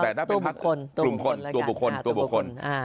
แต่ถ้าเป็นตรวจตรวจนะครับตัวบุคคลตัวบุคคลฮ่า